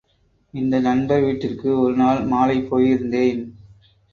இந்த நண்பர் வீட்டிற்கு ஒரு நாள் மாலை போயிருந்தேன்.